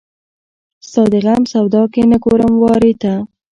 ستا د غم سودا کې نه ګورم وارې ته